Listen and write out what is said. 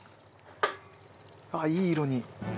あっいい色に。